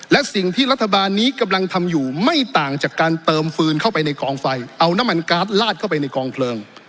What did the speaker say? และสิ่งที่รัฐบาลนี้กำลังทำอยู่ไม่ต่างจากการเติมฟืนเข้าไปในกองไฟเอาน้ำมันการ์ดลาดเข้าไปในกองเพลิง